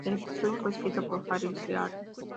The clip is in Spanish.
El episodio fue escrito por Harry Shearer.